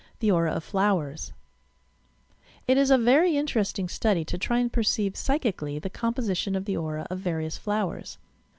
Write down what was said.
THE AURA OF FLOWERS It is a very interesting study to try and perceive, psychically, the composition of the aura of various flowers.